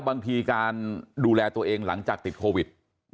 บางทีการดูแลตัวเองหลังจากติดโควิด